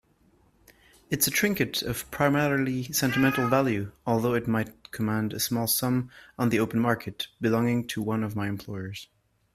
It's a trinket of primarily sentimental value, although it might command a small sum on the open market, belonging to one of my employers.